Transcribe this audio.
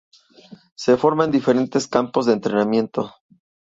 Se forma en diferentes campos de entrenamiento.